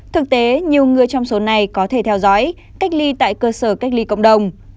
thực tế nhiều người trong số này có thể theo dõi cách ly tại cơ sở cách ly cộng đồng